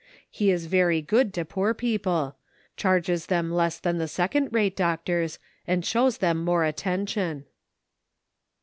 He is very good to poor people ; charges them less than the second rate doctors, and shows them more attention."